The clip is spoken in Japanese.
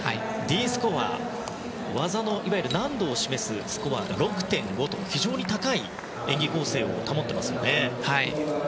Ｄスコア、技のいわゆる難度を示すスコアが６．５と非常に高い演技構成を保っています。